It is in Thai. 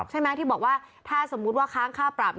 ใช่ไหมที่บอกว่าถ้าสมมุติว่าค้างค่าปรับ